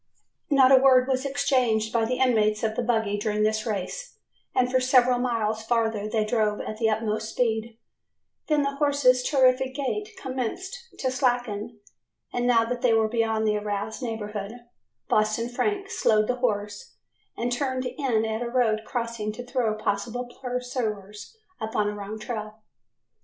Not a word was exchanged by the inmates of the buggy during this race, and for several miles farther they drove at the utmost speed, then the horse's terrific gait commenced to slacken, and now that they were beyond the aroused neighborhood, Boston Frank slowed the horse and turned in at a road crossing to throw possible pursuers upon a wrong trail.